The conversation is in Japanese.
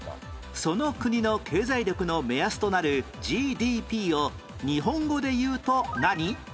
その国の経済力の目安となる ＧＤＰ を日本語でいうと何？